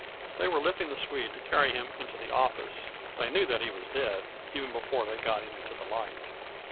They were lifting the Swede to carry him into the office; they knew that he was dead, even before they got him into the light.